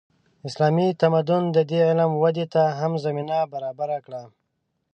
اسلامي تمدن د دې علم ودې ته هم زمینه برابره کړه.